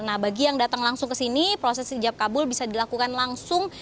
nah bagi yang datang langsung ke sini proses hijab kabul bisa dilakukan langsung